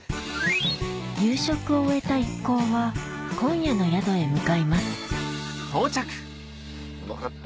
夕食を終えた一行は今夜の宿へ向かいますうまかった。